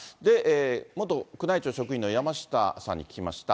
元宮内庁職員の山下さんに聞きました。